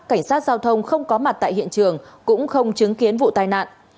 cảnh sát giao thông không có mặt tại hiện trường cũng không chứng kiến vụ tai nạn